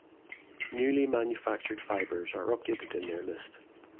Newly manufactured fibers are updated in their list.